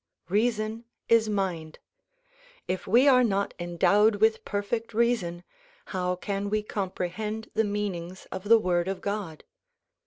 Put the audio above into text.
Reason is mind. If we are not endowed with perfect reason, how can we comprehend the meanings of the Word of God?